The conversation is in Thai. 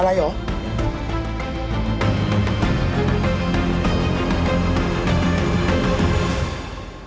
อะไรเหรอ